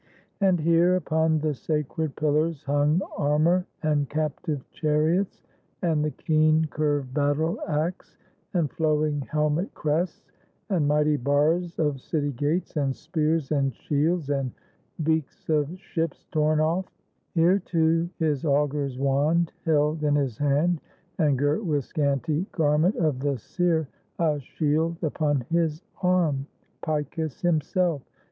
And here, upon the sacred pillars hung Armor and captive chariots, and the keen Curved battle axe, and flowing helmet crests. And mighty bars of city gates, and spears 248 THE ARRIVAL OF ^NEAS IN ITALY And shields, and beaks of ships, torn off. Here too, his augur's wand held in his hand, And girt with scanty garment of the seer, A shield upon his arm, Picus himself.